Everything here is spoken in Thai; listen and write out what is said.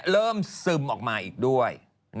เริ่มซึมออกมาอีกด้วย